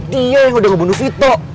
dia yang udah ngebunuh vito